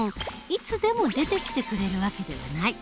いつでも出てきてくれる訳ではない。